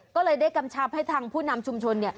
ก็เลยได้กำชับให้ทางผู้นำชุมชน